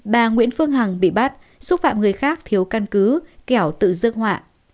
bà nguyễn phương hằng bị bắt xúc phạm người khác thiếu căn cứ kẻo tự dứt họa